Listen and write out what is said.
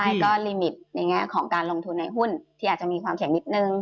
ใช่ก็ลิมิตในแง่ของการลงทุนในหุ้นที่อาจจะมีความแข็งนิดนึง